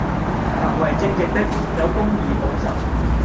行為正直的，有公義保守